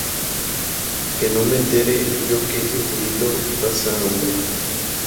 Que no me entere yo que ese culito pasa hambre